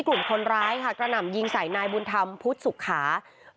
กลุ่มคนร้ายค่ะกระหน่ำยิงใส่นายบุญธรรมพุทธสุขา